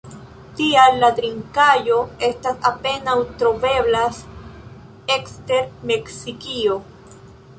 Tial la trinkaĵo estas apenaŭ troveblas ekster Meksikio.